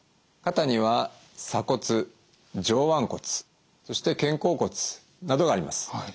肩には鎖骨上腕骨そして肩甲骨などがあります。